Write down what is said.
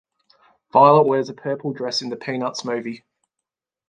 Violet wears a purple dress in "The Peanuts Movie".